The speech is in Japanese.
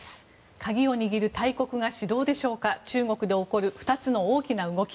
鍵を握る大国が始動でしょうか中国で起こる２つの大きな動き。